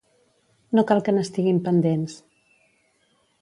No cal que n'estiguin pendents.